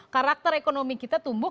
karakter ekonomi kita tumbuh